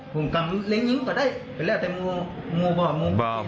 หุ่นกำเล็งยิ้งก็ได้ไปแล้วแต่มัวบ่มัวบ่